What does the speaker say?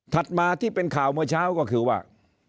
มาที่เป็นข่าวเมื่อเช้าก็คือว่า